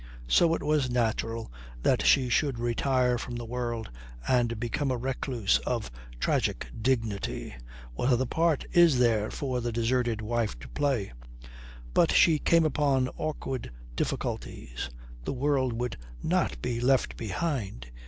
So it was natural that she should retire from the world and become a recluse of tragic dignity. What other part is there for the deserted wife to play? But she came upon awkward difficulties. The world would not be left behind.